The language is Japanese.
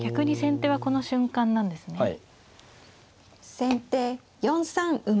先手４三馬。